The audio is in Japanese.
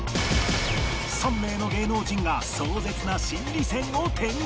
３名の芸能人が壮絶な心理戦を展開